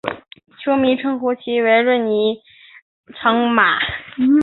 球迷称呼其为孖润肠尼马。